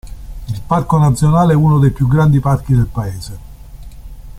Il Parco Nazionale è uno dei più grandi parchi del paese.